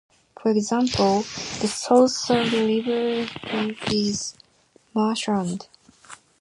For example, the source of the River Tees is marshland.